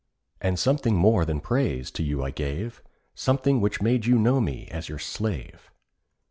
And something more than praise to you I gave— Something which made you know me as your slave.